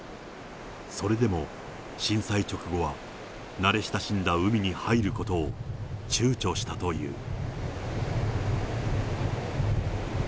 それでも震災直後は慣れ親しんだ海に入ることを、ちゅうちょしたという。